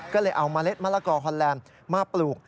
ก็เลยเอาเมล็ดมะละกอฮอนแลนด์มาปลูก